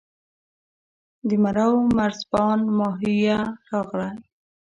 د مرو مرزبان ماهویه راغی.